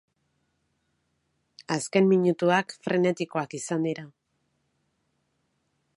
Azken minututak frenetikoak izan dira.